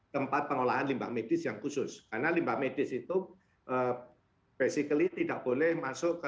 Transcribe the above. tempat pengolahan limbah medis yang khusus karena limbah medis itu basically tidak boleh masuk ke